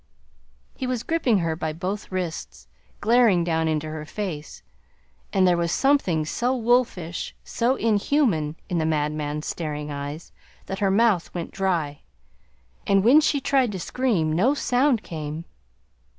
He was gripping her by both wrists, glaring down into her face, and there was something so wolfish, so inhuman, in the madman's staring eyes that her mouth went dry, and when she tried to scream no sound came.